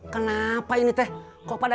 kenapa ini teh kok pada